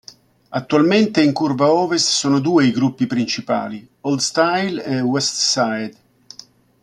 Attualmente in Curva Ovest sono due i gruppi principali: "Old Style" e "West Side".